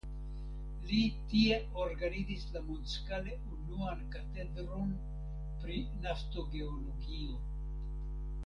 Li tie organizis la mondskale unuan katedron pri naftogeologio.